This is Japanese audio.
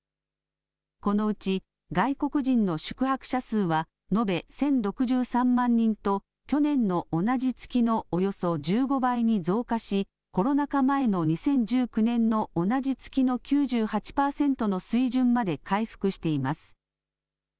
このうち外国人の宿泊者数は延べ１０６３万人と去年の同じ月のおよそ１５倍に増加しコロナ禍前の２０１９年の同じ月の９８％の水準まで回復しています。